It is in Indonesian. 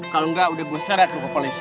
kalau enggak udah gue seret ke polisi